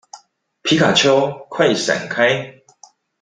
皮卡丘，快閃開